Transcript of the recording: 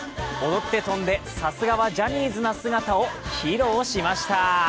踊って、跳んで、さすがはジャニーズ！な姿を披露しました。